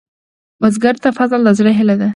بزګر ته فصل د زړۀ هيله ده